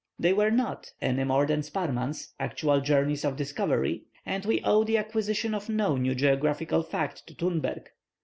They were not, any more than Sparrman's, actual journeys of discovery; and we owe the acquisition of no new geographical fact to Thunberg.